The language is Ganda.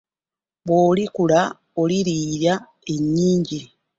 Bw'olikula olirya ennyingi.